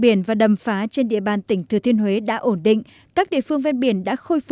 biển và đầm phá trên địa bàn tỉnh thừa thiên huế đã ổn định các địa phương ven biển đã khôi